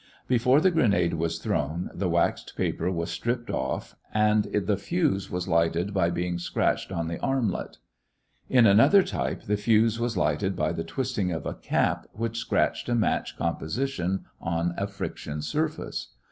Before the grenade was thrown, the waxed paper was stripped off and the fuse was lighted by being scratched on the armlet. In another type the fuse was lighted by the twisting of a cap which scratched a match composition on a friction surface.